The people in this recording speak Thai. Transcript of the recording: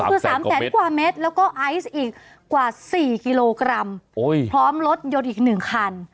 โอ้โห๓๐๐กว่าเมตรแล้วก็ไอซ์อีกกว่า๔กิโลกรัมพร้อมรถยดอีก๑คัน